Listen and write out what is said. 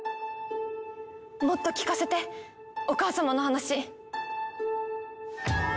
もっと聞かせてお母様の話。